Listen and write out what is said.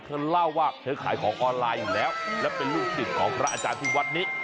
เธอเล่าว่าเธอขายของออนไลน์อยู่แล้วและเป็นลูกศิษย์ของพระอาจารย์ที่วัดนี้